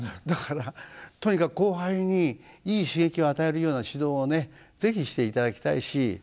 だからとにかく後輩にいい刺激を与えるような指導をね是非していただきたいし。